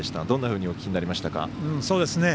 どんなふうにお聞きになりましたか？